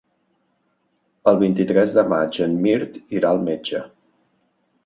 El vint-i-tres de maig en Mirt irà al metge.